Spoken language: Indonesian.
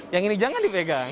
yang ini jangan dipegang